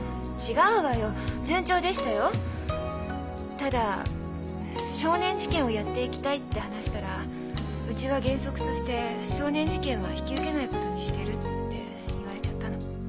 ただ少年事件をやっていきたいって話したら「うちは原則として少年事件は引き受けないことにしてる」って言われちゃったの。